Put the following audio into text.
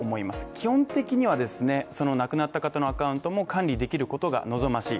基本的にはですね、その亡くなった方のアカウントも管理できることが望ましい